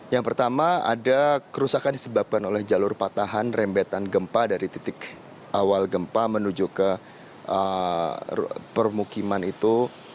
yang pertama ada kerusakan disebabkan oleh jalur patahan rembetan gempa dari titik awal gempa menuju ke permukiman itu